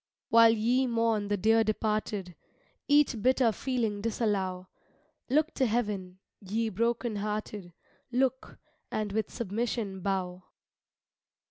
While ye mourn the dear departed, Each bitter feeling disallow; Look to heaven, ye broken hearted, Look, and with submission bow.